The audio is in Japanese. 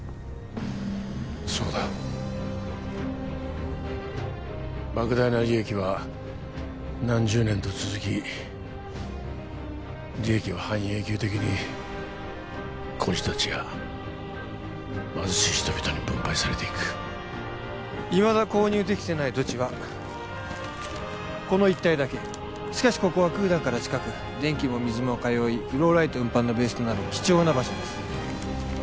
そうだ莫大な利益は何十年と続き利益は半永久的に孤児達や貧しい人々に分配されていくいまだ購入できてない土地はこの一帯だけしかしここはクーダンから近く電気も水も通いフローライト運搬のベースとなる貴重な場所です